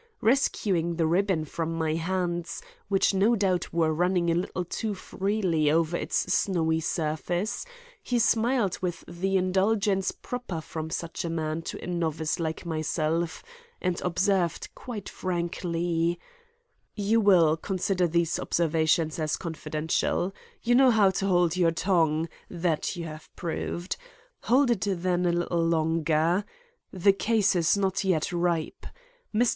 Rescuing the ribbon from my hands, which no doubt were running a little too freely over its snowy surface, he smiled with the indulgence proper from such a man to a novice like myself, and observed quite frankly: "You will consider these observations as confidential. You know how to hold your tongue; that you have proved. Hold it then a little longer. The case is not yet ripe. Mr.